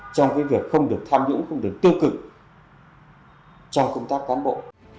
trong cái việc không được tham nhũng không được tương cực cho công tác cán bộ